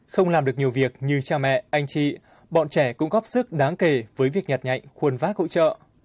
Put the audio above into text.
không làm được nhiều việc như cha mẹ anh chị bọn trẻ cũng góp sức đáng kể với việc nhặt nhạnh khuôn vác hỗ trợ